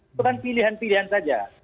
itu kan pilihan pilihan saja